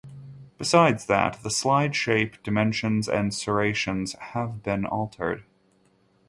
Besides that the slide shape, dimensions and serrations have been altered.